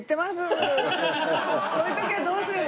こういう時はどうすれば。